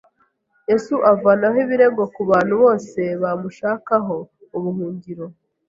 Yesu avanaho ibirego ku bantu bose bamushakaho ubuhungiro.